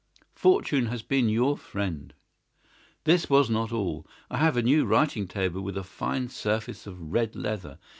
"Fortune has been your friend." "This was not all. I have a new writing table with a fine surface of red leather.